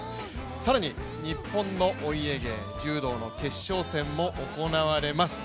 更に日本のお家芸、柔道の決勝戦も行われます。